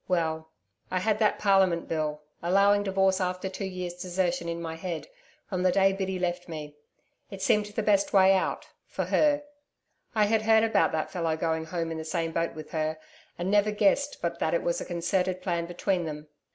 Well, I had that Parliament Bill, allowing divorce after two years desertion in my head, from the day Biddy left me. It seemed the best way out for her. I had heard about that fellow going Home in the same boat with her, and never guessed but that it was a concerted plan between them.